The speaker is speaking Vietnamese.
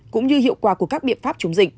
cũng như hiệu quả của các biện pháp chống dịch